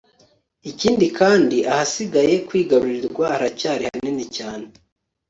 ikindi kandi, ahasigaye kwigarurirwa haracyari hanini cyane